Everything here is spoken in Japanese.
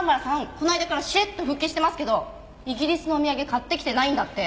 この間からしれっと復帰してますけどイギリスのお土産買ってきてないんだって。